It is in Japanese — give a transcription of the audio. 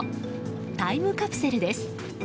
タイムカプセルです。